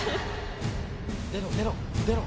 出ろ出ろ出ろ。